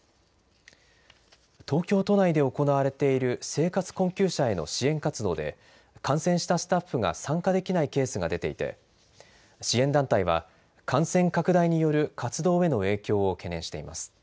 東京都内で行われている生活困窮者への支援活動で感染したスタッフが参加できないケースが出ていて支援団体は感染拡大による活動への影響を懸念しています。